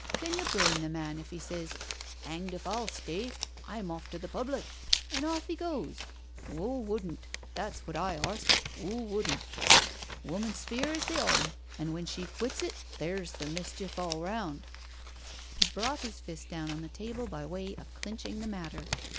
Can you blame the man if he sez, ' 'Anged if I'll stay, I'm off to the public'? An' orf he goes. W'o wouldn't? that's what I arsk — ^w'o wouldn't? Woman's sphere is the 'ome, an* when she quits it there's the mischief all round." He brought his fist down on the table by way of clinch ing the matter.